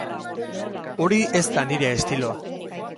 Hori ez da nire estiloa.